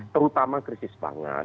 terutama krisis pangan